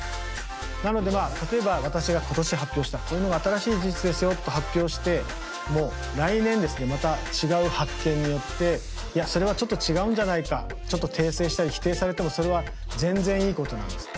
なのでまあ例えば私が今年発表したこういうのが新しい事実ですよと発表しても来年ですねまた違う発見によっていやそれはちょっと違うんじゃないかちょっと訂正したり否定されてもそれは全然いいことなんです。